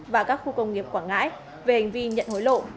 và các khu công nghiệp quảng ngãi về hành vi nhận hối lộ